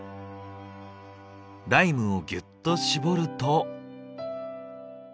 ライムをギュッと搾ると。